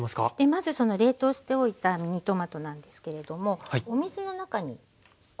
まずその冷凍しておいたミニトマトなんですけれどもお水の中につけます。